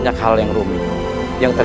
saya mau undur dia dulu